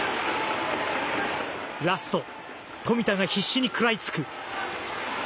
ラスト富田が必死に食らいつく。